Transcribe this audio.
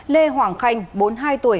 lê hoàng khanh bốn mươi hai tuổi